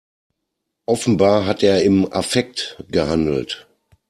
Offenbar hat er im Affekt gehandelt.